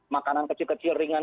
makanan kecil kecil ringan